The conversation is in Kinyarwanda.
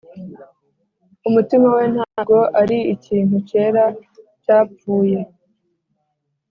umutima we ntabwo ari ikintu cyera cyapfuye: